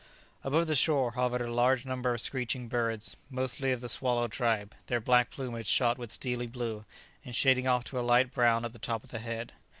Above the shore hovered a large number of screeching birds, mostly of the swallow tribe, their black plumage shot with steelly blue, and shading off to a light brown at the top of the head.